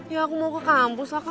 ya aku mau ke kampus lah kak